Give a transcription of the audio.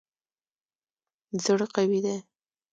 زړه قوي دی.